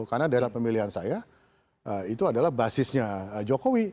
karena daerah pemilihan saya itu adalah basisnya jokowi